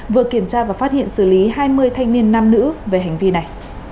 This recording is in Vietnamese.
vừa kiểm tra và phát hiện xử lý hai mươi thanh niên nam nữ về hành vi này